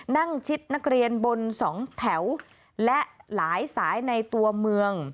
ชิดนักเรียนบนสองแถวและหลายสายในตัวเมือง